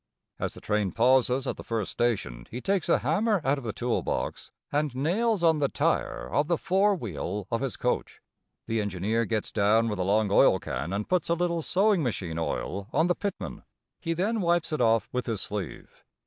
As the train pauses at the first station he takes a hammer out of the tool box and nails on the tire of the fore wheel of his coach. The engineer gets down with a long oil can and puts a little sewing machine oil on the pitman. He then wipes it off with his sleeve.